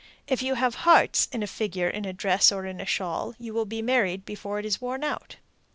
If you have hearts in a figure in a dress or in a shawl, you will be married before it is worn out.